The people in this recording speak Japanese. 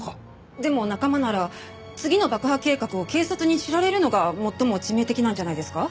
でも仲間なら次の爆破計画を警察に知られるのが最も致命的なんじゃないですか？